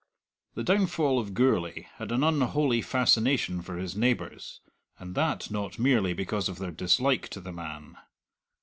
The downfall of Gourlay had an unholy fascination for his neighbours, and that not merely because of their dislike to the man.